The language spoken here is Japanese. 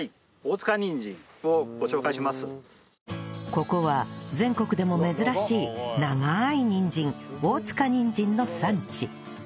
ここは全国でも珍しい長いにんじん大塚にんじんの産地